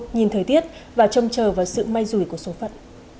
nhìn thời tiết và trông chờ vào sự may rủi của số phận